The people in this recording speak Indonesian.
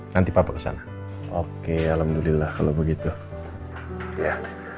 nanti papa kesana oke alhamdulillah kalau begitu ya